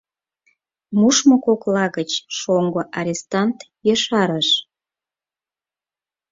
Мушмо кокла гыч шоҥго арестант ешарыш: